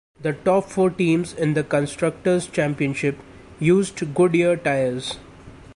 The top four teams in the constructors' championship used Goodyear tyres.